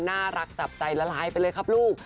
น่ารักจับใจละลายไปเลยครับลูก